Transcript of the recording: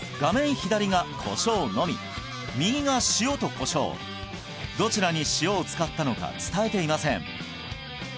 左がコショウのみ右が塩とコショウどちらに塩を使ったのか伝えていません